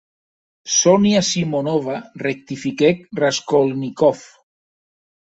Sonia Simonovna, rectifiquèc Raskolnikov.